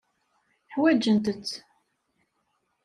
Ḥwajent-t.